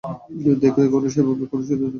দেখো, এখনও সেভাবে আমরা কোনো সিদ্ধান্ত নেইনি, ওকে?